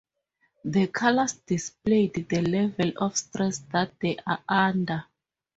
The colors display the level of stress that they are under.